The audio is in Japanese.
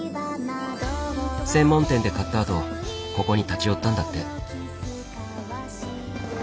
専門店で買ったあとここに立ち寄ったんだって。